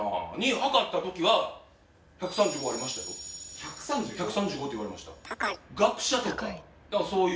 １３５？１３５って言われました。